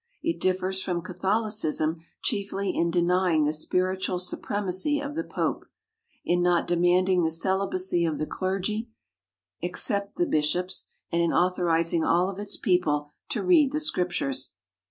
It differs from Catholicism chiefly in deny ing the spiritual supremacy of the Pope, in not demanding the celibacy of the clergy, except the bishops, and in authorizing all of its people to read the Scriptures.